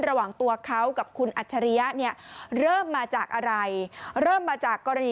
ระหว่างตัวเขากับคุณอัชริยะเริ่มมาจากอะไร